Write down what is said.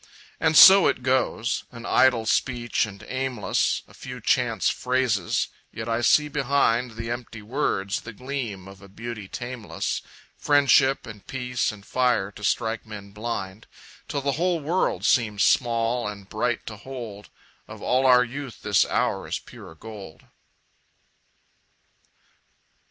And so it goes an idle speech and aimless, A few chance phrases; yet I see behind The empty words the gleam of a beauty tameless, Friendship and peace and fire to strike men blind, Till the whole world seems small and bright to hold Of all our youth this hour is pure gold.